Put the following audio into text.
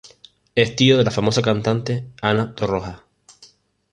Es tío de la famosa cantante, Ana Torroja.